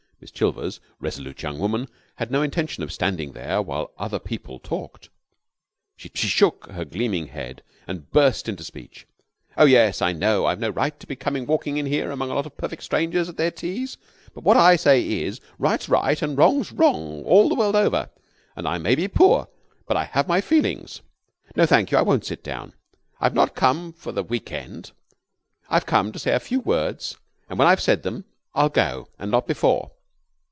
Miss Chilvers, resolute young woman, had no intention of standing there while other people talked. She shook her gleaming head and burst into speech. "Oh, yes, I know I've no right to be coming walking in here among a lot of perfect strangers at their teas, but what I say is, 'Right's right and wrong's wrong all the world over,' and I may be poor, but I have my feelings. No, thank you, I won't sit down. I've not come for the weekend. I've come to say a few words, and when I've said them I'll go, and not before.